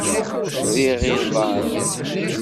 Riɣ iḍan.